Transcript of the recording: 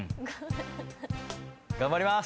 頑張ります。